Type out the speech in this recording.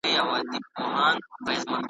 نوي جامې نه لرم زه نوي څپلۍ نه لرم .